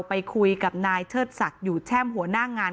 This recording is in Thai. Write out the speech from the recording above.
ไปคุยกับนายเชิดศักดิ์อยู่แช่มหัวหน้างาน